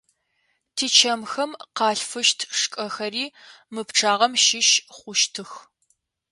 Тичэмхэм къалъфыщт шкӏэхэри мы пчъагъэм щыщ хъущтых.